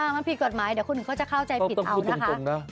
มันผิดกฎหมายเดี๋ยวคนอื่นเขาจะเข้าใจผิดเอานะคะ